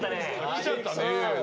きちゃったね。